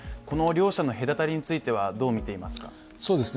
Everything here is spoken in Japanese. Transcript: この両者の隔たりについてはどう見ていますか？